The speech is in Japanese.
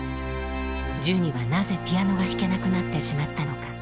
ジュニはなぜピアノが弾けなくなってしまったのか。